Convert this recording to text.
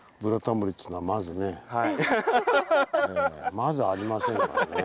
まずありませんからね。